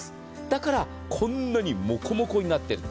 だからこんなにモコモコになってる。